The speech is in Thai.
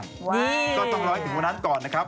ก็ต้องรอให้ถึงวันนั้นก่อนนะครับ